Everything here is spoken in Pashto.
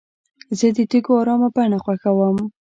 زه د تیږو ارامه بڼه خوښوم.